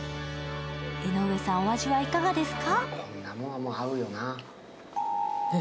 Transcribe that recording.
江上さん、お味はいかがですか？